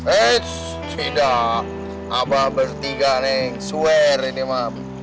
eits tidak abah bertiga neng swear ini mam